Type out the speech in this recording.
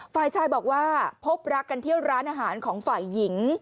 ฝ่ายชายบอกว่าพบรักกันที่ร้านอาหารของฝ่ายหญิง